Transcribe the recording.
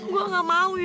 gue gak mau yu